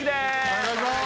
お願いします